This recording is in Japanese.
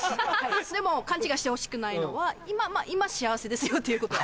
でも勘違いしてほしくないのは今幸せですよということは。